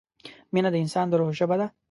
مینه د انسان د روح ژبه ده.